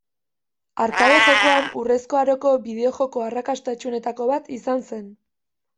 Arkade jokoen Urrezko Aroko bideo-joko arrakastatsuenetako bat izan zen.